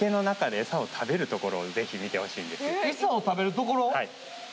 エサを食べるところ？